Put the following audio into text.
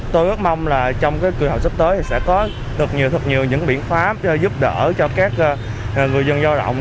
tôi rất mong là trong cơ hội sắp tới sẽ có thật nhiều những biện pháp giúp đỡ cho các người dân lao động